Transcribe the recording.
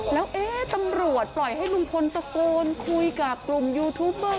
แล้วตำรวจปล่อยให้ลุงพลตะโกนคุยกับกลุ่มยูทูปเบอร์